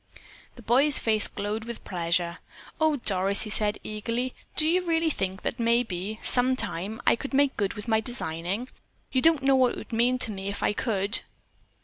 The boy's face glowed with pleasure. "Oh, Doris," he said eagerly, "do you really think that maybe, sometime, I could make good with my designing? You don't know what it would mean to me if I could."